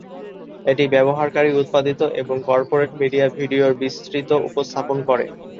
এটি ব্যবহারকারী-উৎপাদিত এবং কর্পোরেট মিডিয়া ভিডিওর বিস্তৃত উপস্থাপন করে।